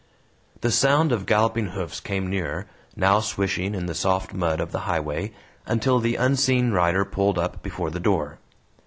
The sound of galloping hoofs came nearer, now swishing in the soft mud of the highway, until the unseen rider pulled up before the door.